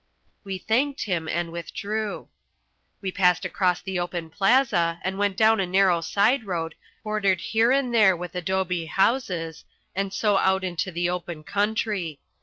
We thanked him and withdrew. We passed across the open plaza, and went down a narrow side road, bordered here and there with adobe houses, and so out into the open country.